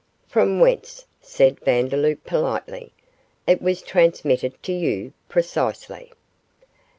'From whence,' said Vandeloup, politely, 'it was transmitted to you precisely.